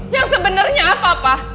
yang sebenernya apa papa